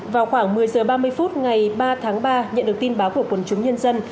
vào khoảng một mươi h ba mươi phút ngày ba tháng ba nhận được tin báo của quần chúng nhân dân